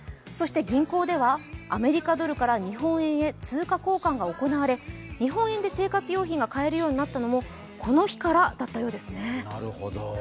そして銀行ではアメリカドルから日本円へ通貨交換が行われ日本円で生活用品が買えるようになったのもこの日からだったようですね。